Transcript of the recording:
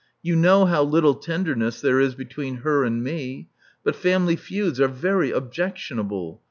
You know how little tenderness there is between her and me. But family feuds are very objectionable.